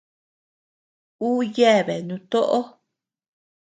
Ú yeabea nutóʼo.